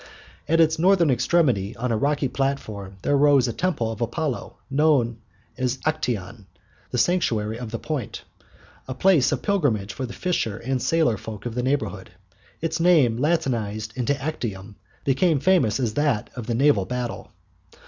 At its northern extremity on a rocky platform there rose a temple of Apollo, known as the "Aktion," the "sanctuary of the point," a place of pilgrimage for the fisher and sailor folk of the neighbourhood. Its name, Latinized into Actium, became famous as that of the naval battle.